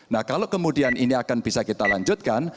nah kalau kemudian ini akan bisa kita lanjutkan